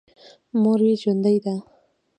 مور یې ژوندۍ ده.